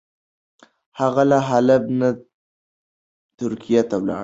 هغه له حلب نه ترکیې ته ولاړ.